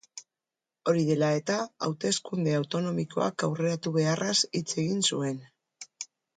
Hori dela eta, hauteskunde autonomikoak aurreratu beharraz hitz egin zuen.